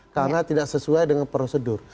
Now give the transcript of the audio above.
karena tidak sesuai dengan prosedur